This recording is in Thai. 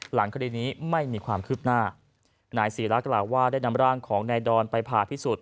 หลังคดีนี้ไม่มีความคืบหน้านายศีระกล่าวว่าได้นำร่างของนายดอนไปผ่าพิสูจน